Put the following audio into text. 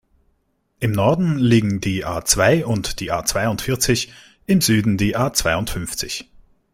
Im Norden liegen die A-zwei und die A-zweiundvierzig, im Süden die A-zweiundfünfzig.